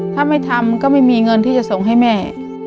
ถ้าไม่ทำก็ไม่มีเงินที่จะส่งให้แม่